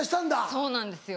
そうなんですよ。